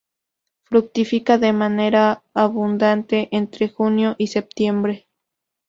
Fructifica de manera abundante entre junio y septiembre.